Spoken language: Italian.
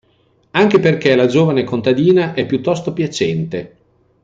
Anche perché la giovane contadina è piuttosto piacente.